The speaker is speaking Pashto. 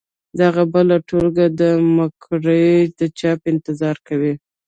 دغه بله ټولګه دمګړۍ د چاپ انتظار کوي.